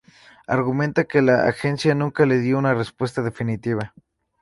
Argumenta que la agencia nunca le dio una respuesta definitiva.